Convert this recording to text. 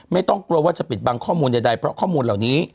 ไม่ต้องกลัวว่าจะปิดบังข้อมูลใดเพราะข้อมูลเหล่านี้